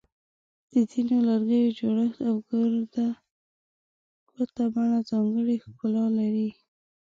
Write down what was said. د ځینو لرګیو جوړښت او ګرده ګوټه بڼه ځانګړی ښکلا لري.